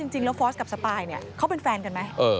จริงแล้วฟอร์สกับสปายเนี่ยเขาเป็นแฟนกันไหม